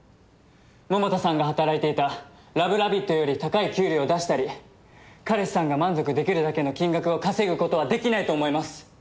桃田さんが働いていた「らぶラビット」より高い給料を出したり彼氏さんが満足できるだけの金額を稼ぐことはできないと思います！